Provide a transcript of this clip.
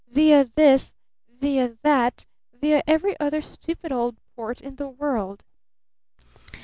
via this, via that, via every other stupid old port in the world!